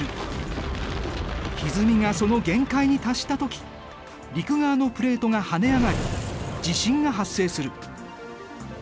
ひずみがその限界に達したとき陸側のプレートが跳ね上がり地震が発生する。